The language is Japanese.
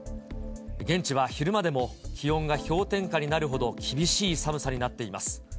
現地は昼間でも気温が氷点下になるほど厳しい寒さになっています。